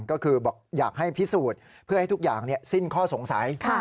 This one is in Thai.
ก็คือบอกอยากให้พิสูจน์เพื่อให้ทุกอย่างสิ้นข้อสงสัย